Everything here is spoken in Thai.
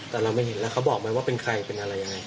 แต่เราไม่เห็นแล้วเขาบอกไหมว่าเป็นใครเป็นอะไรยังไง